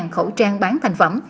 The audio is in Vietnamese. một mươi hai khẩu trang bán thành phẩm